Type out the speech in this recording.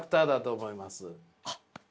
あっ。